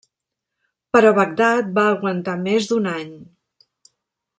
Però Bagdad va aguantar més d'un any.